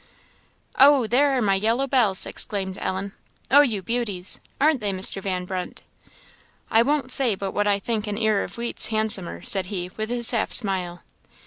"Oh! there are my yellow bells!" exclaimed Ellen "oh, you beauties! Aren't they, Mr. Van Brunt?" "I won't say but what I think an ear of wheat's handsomer," said he, with his half smile.